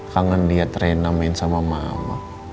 kangen lihat rena main sama mama